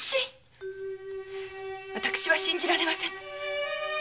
私は信じられませぬ！